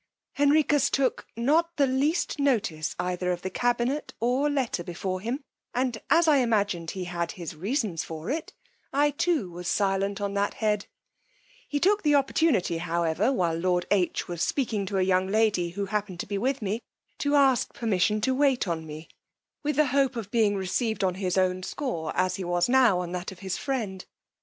Henricus took, not the least notice either of the cabinet or letter before him; and as I imagined he had his reasons for it, I too was silent on that head; he took the opportunity, however, while lord H was speaking to a young lady who happened to be with me, to ask permission to wait on me with the hope of being received on his own score as he was now on that of his friend.